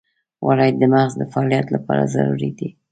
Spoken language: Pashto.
غوړې د مغز د فعالیت لپاره ضروري دي.